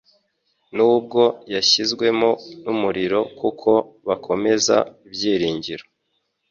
nubwo yashizwemo n'umuriro kuko bakomeza Ibyiringiro